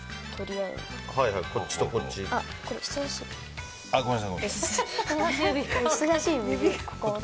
あ、ごめんなさい。